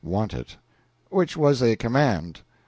(want it), which was a command.